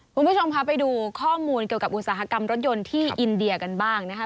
คุณผู้ชมคะไปดูข้อมูลเกี่ยวกับอุตสาหกรรมรถยนต์ที่อินเดียกันบ้างนะคะ